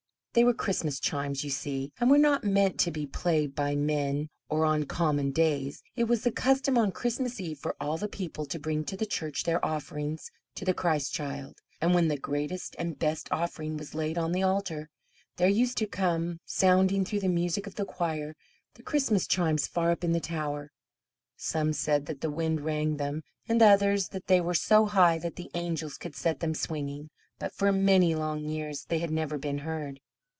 They were Christmas chimes, you see, and were not meant to be played by men or on common days. It was the custom on Christmas Eve for all the people to bring to the church their offerings to the Christ Child; and when the greatest and best offering was laid on the altar there used to come sounding through the music of the choir the Christmas chimes far up in the tower. Some said that the wind rang them, and others, that they were so high that the angels could set them swinging. But for many long years they had never been heard.